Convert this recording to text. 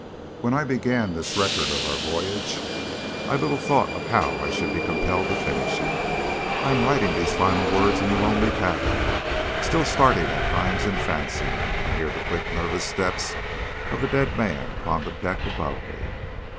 When I began this record of our voyage I little thought of how I should be compelled to finish it. I am writing these final words in the lonely cabin, still starting at times and fancying I hear the quick nervous step of the dead man upon the deck above me.